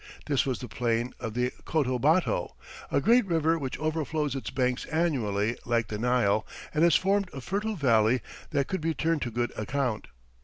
This was the plain of the Cotobato, a great river which overflows its banks annually like the Nile and has formed a fertile valley that could be turned to good account.